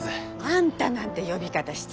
あんたなんて呼び方失礼だろ。